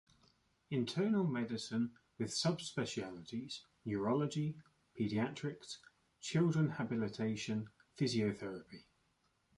Internal medicine with sub-specialties, Neurology, Pediatrics, Children Habilitation, Physiotherapy.